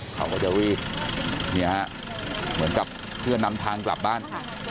เขาก็จะรีบเหมือนกับเพื่อนำทางกลับบ้าน